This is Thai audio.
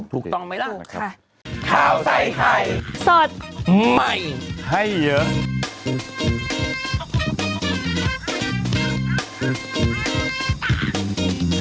ถูกต้องไหมล่ะ